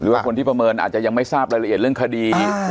ว่าคนที่ประเมินอาจจะยังไม่ทราบรายละเอียดเรื่องคดี